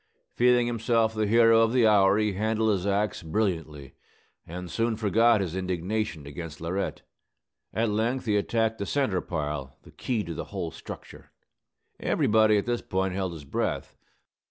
Feeling himself the hero of the hour, he handled his axe brilliantly, and soon forgot his indignation against Laurette. At length he attacked the centre pile, the key to the whole structure. Everybody, at this point, held his breath.